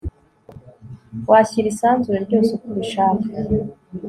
Washyira isanzure ryose uko ubishaka